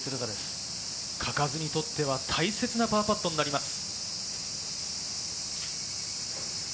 嘉数にとっては大切なパーパットになります。